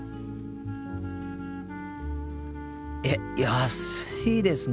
えっ安いですね。